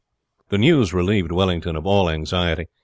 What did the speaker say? The news relieved Wellington of all anxiety.